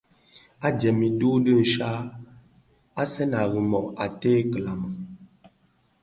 Adyèm i dhikèn dü di nshaaktèn; Asèn a Rimoh a ted kilami.